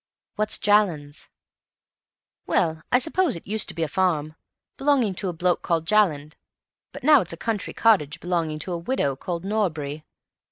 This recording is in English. "What's Jallands?" "Well, I suppose it used to be a farm, belonging to a bloke called Jalland, but now it's a country cottage belonging to a widow called Norbury.